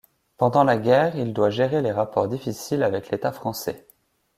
Pendant la guerre, il doit gérer les rapports difficiles avec l'État français.